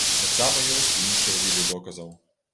Таксама ёсць і іншыя віды доказаў.